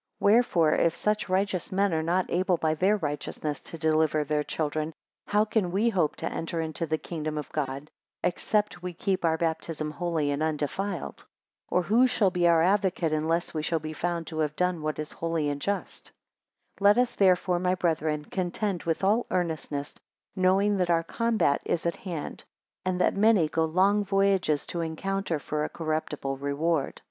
9 Wherefore, if such righteous men are not able by their righteousness to deliver their children; how can we hope to enter into the kingdom of God, except we keep our baptism holy and undefiled? Or who shall be our advocate, unless we shall be found to have done what is holy and just? 10 Let us, therefore, my brethren, contend with all earnestness, knowing that our combat is at hand; and that many go long voyages to encounter for a corruptible reward.